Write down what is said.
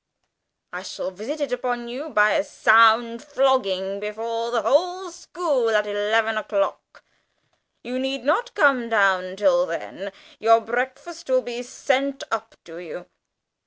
I shall visit it upon you by a sound flogging before the whole school at eleven o'clock. You need not come down till then your breakfast will be sent up to you."